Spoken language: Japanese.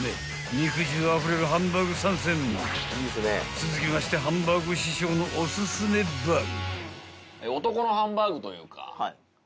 ［続きましてハンバーグ師匠のおすすめバーグ］